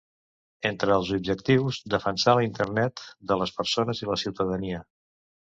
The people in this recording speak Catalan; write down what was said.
Entre els objectius: defensar la internet de les persones i la ciutadania.